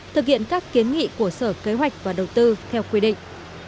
thực hiện các kiến nghị của sở kế hoạch và đầu tư theo quy định